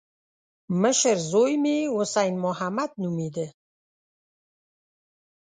مشر زوی مې حسين محمد نومېده.